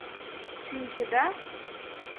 «Шинчеда»!